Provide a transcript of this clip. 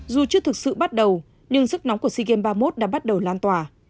dù chưa thực sự bắt đầu nhưng sức nóng của sea games ba mươi một đã bắt đầu lan tỏa